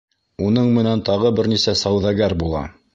Уның менән тағы бер нисә сауҙагәр була.